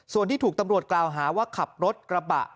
ส่วนที่ถูกตำรวจกล่าวหาว่าขับรถกระบะ